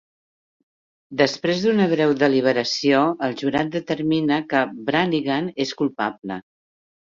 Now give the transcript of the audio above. Després d'una breu deliberació, el jurat determina que Brannigan és culpable.